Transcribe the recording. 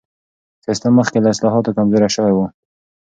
سیستم مخکې له اصلاحاتو کمزوری سوی و.